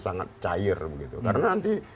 sangat cair begitu karena nanti